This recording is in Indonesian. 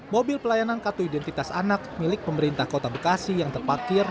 mobil pelayanan kartu identitas anak milik pemerintah kota bekasi yang terpakir